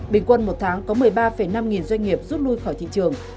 bình quân một tháng có một mươi ba năm nghìn doanh nghiệp rút lui khỏi thị trường